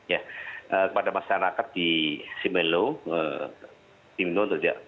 ya kepada masyarakat di simelu simelu terjadi